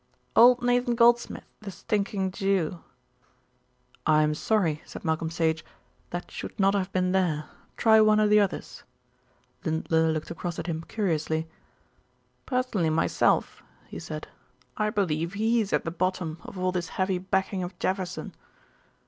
"Old Nathan Goldschmidt, the stinking Jew." "I'm sorry," said Malcolm Sage; "that should not have been there. Try one of the others." Lindler looked across at him curiously. "Personally, myself," he said, "I believe he's at the bottom of all this heavy backing of Jefferson."